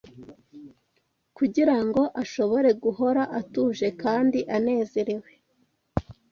Kugira ngo ashobore guhora atuje kandi anezerewe